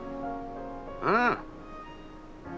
うん。